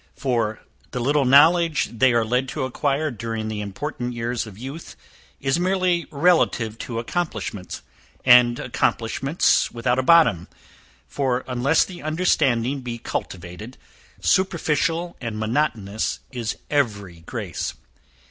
For the little knowledge they are led to acquire during the important years of youth, is merely relative to accomplishments; and accomplishments without a bottom, for unless the understanding be cultivated, superficial and monotonous is every grace.